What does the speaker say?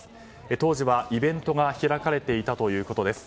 当時は、イベントが開かれていたということです。